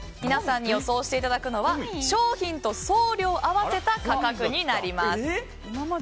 皆さんに予想していただくのは商品と送料を合わせた価格です。